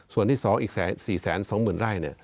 ส่วนที่สองอีกสัน๔๒๐๐๐๐ไร่